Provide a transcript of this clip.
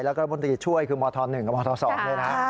แล้วก็รัฐบุรตีช่วยคือมธ๑กับมธ๒เลยนะ